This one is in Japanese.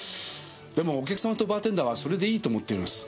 でもお客様とバーテンダーはそれでいいと思っております。